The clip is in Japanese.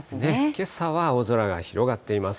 けさは青空が広がっています。